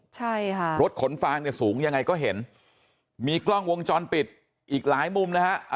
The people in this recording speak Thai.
ใช่ค่ะรถขนฟางเนี่ยสูงยังไงก็เห็นมีกล้องวงจรปิดอีกหลายมุมนะฮะ